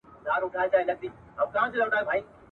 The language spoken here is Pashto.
زه مین پر هغه ملک پر هغه ښار یم ..